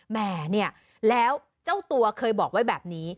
แหมเนี่ยแล้วเจ้าตัวเคยบอกไว้แบบนี้